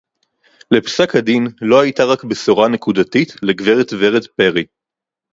לפסק-הדין לא היתה רק בשורה נקודתית לגברת ורד פרי